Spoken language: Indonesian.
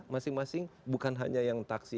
masing masing bukan hanya yang taksi